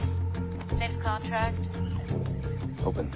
オープンだ。